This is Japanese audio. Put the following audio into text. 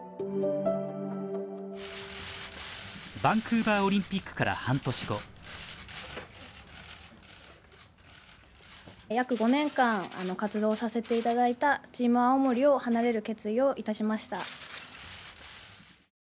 バンクーバーオリンピックから半年後約５年間活動させて頂いたチーム青森を離れる決意をいたしました。